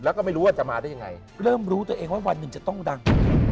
วันนึงจะต้องดัง